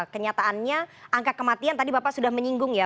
kenyataannya angka kematian tadi bapak sudah menyinggung ya